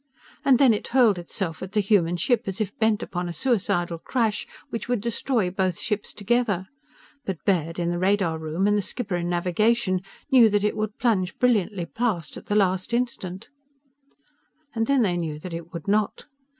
And then it hurled itself at the human ship as if bent upon a suicidal crash which would destroy both ships together. But Baird, in the radar room, and the skipper in navigation, knew that it would plunge brilliantly past at the last instant And then they knew that it would not.